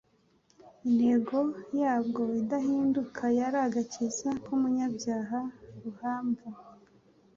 Intego yabwo idahinduka yari agakiza k'umunyabyaha ruhamva.